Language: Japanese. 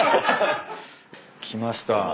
来ました。